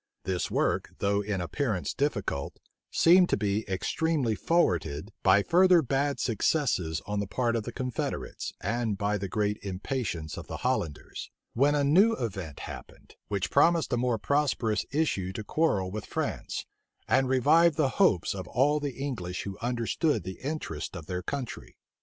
This work, though in appearance difficult, seemed to be extremely forwarded, by further bad successes on the part of the confederates, and by the great impatience of the Hollanders; when a new event happened, which promised a more prosperous issue to the quarrel with France, and revived the hopes of all the English who understood the interests of their country.